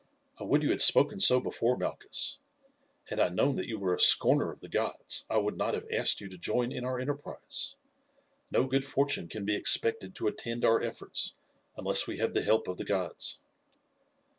"I would you had spoken so before, Malchus; had I known that you were a scorner of the gods I would not have asked you to join in our enterprise. No good fortune can be expected to attend our efforts unless we have the help of the gods."